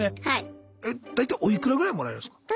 大体おいくらぐらいもらえるんすか？